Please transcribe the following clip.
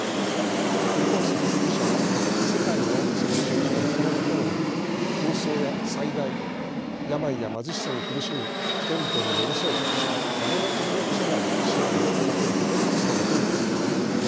日本赤十字社は世界の赤十字の仲間と共に紛争や災害病や貧しさに苦しむ人々に寄り添い誰も取り残さない支援を届けることに努めています。